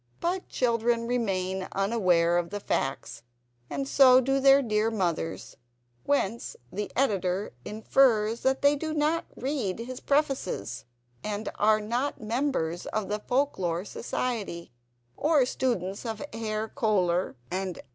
But children remain unaware of the facts, and so do their dear mothers; whence the Editor infers that they do not read his prefaces, and are not members of the Folk Lore Society, or students of Herr Kohler and M.